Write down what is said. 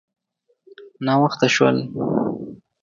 _ناوخته شول.